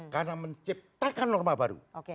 karena menciptakan norma baru